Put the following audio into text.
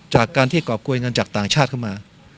จากการที่กรอบกวยเงินจากต่างชาติเข้ามา